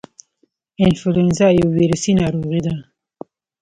انفلونزا یو ویروسي ناروغي ده